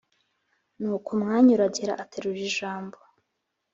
nuko umwanya uragera aterura ijambo